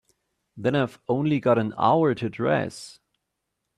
Then I've only got an hour to dress.